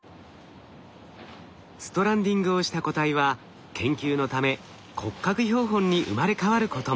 ストランディングをした個体は研究のため骨格標本に生まれ変わることも。